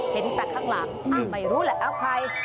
เห็นแต่ข้างหลังไม่รู้แหละเอาใคร